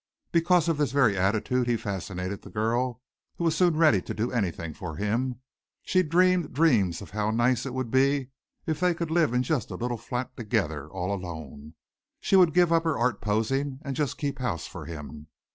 Because of this very attitude he fascinated the girl who was soon ready to do anything for him. She dreamed dreams of how nice it would be if they could live in just a little flat together all alone. She would give up her art posing and just keep house for him.